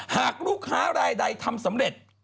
หากลูกค้ารายใดทำสำเร็จ